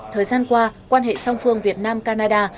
thời gian qua quan hệ song phương việt nam canada